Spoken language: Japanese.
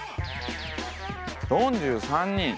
４３人。